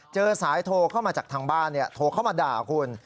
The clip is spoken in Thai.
เจอสายโทรเข้ามาจากทางบ้านโทรเข้ามาด่าคุณ